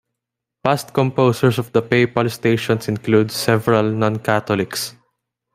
Past composers of the Papal Stations include several non-Catholics.